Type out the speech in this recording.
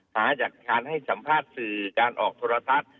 หาจากการให้สัมภาษณ์สื่อการออกโทรทัศน์